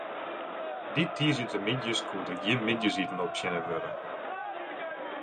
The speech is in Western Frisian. Dy tiisdeitemiddeis koe der gjin middeisiten optsjinne wurde.